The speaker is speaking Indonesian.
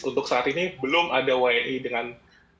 untuk saat ini belum ada wni dengan positif koronavirus